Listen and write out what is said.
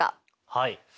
はい。